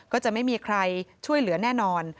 ก็จะไม่มีใครช่วยเหลือแน่นอน